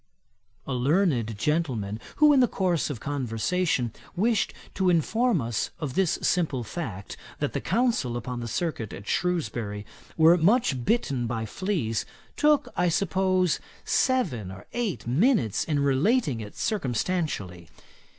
A learned gentleman who in the course of conversation wished to inform us of this simple fact, that the Counsel upon the circuit at Shrewsbury were much bitten by fleas, took, I suppose, seven or eight minutes in relating it circumstantially.